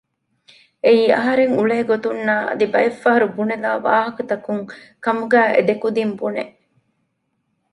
އެއީ އަހަރެން އުޅޭ ގޮތުންނާ އަދި ބައެއް ފަހަރު ބުނެލާ ވާހަކަތަކުން ކަމުގައި އެ ކުދިން ބުނެ